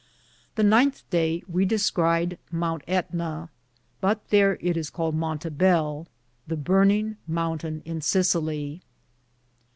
The 9th daye we descried Mount Etnaye, but thare it is caled Muntabell/ the burninge mountaine in Cisillia.